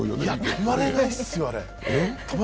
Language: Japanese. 止まれないっすよ、あれ。